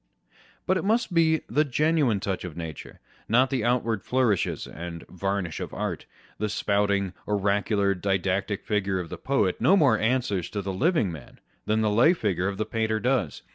But it must be the genuine touch of nature, not the out ward flourishes and varnish of art. The spouting, oracular, didactic figure of the poet no more answers to the living man, than the lay figure of the painter does.